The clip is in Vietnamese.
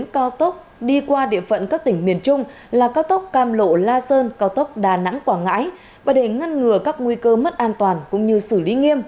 bốn cao tốc đi qua địa phận các tỉnh miền trung là cao tốc cam lộ la sơn cao tốc đà nẵng quảng ngãi và để ngăn ngừa các nguy cơ mất an toàn cũng như xử lý nghiêm